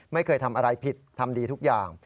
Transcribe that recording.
ไม่เคยทำอะไรผิดทำดีทุกอย่าง